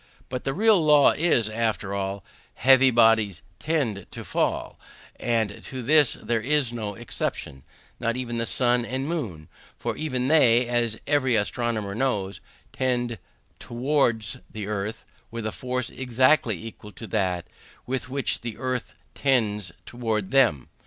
But the real law is, that all heavy bodies tend to fall; and to this there is no exception, not even the sun and moon; for even they, as every astronomer knows, tend towards the earth, with a force exactly equal to that with which the earth tends towards them.